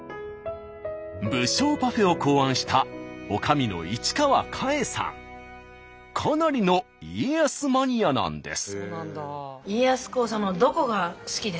武将パフェを考案したかなりの家康マニアなんです。